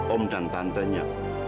om dan tantenya